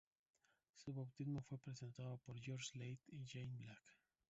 Su bautismo fue presenciado por George Leith y Janet Black.